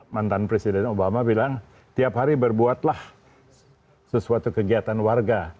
mantan presiden obama bilang tiap hari berbuatlah sesuatu kegiatan warga